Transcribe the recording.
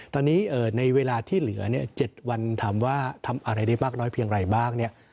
ตอนนี้ในเวลาที่เหลือเนี่ย๗วันถามว่าทำอะไรได้มากน้อยเพียงไรบ้างเนี่ย